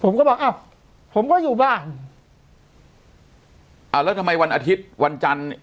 ผมก็บอกอ้าวผมก็อยู่บ้านอ่าแล้วทำไมวันอาทิตย์วันจันทร์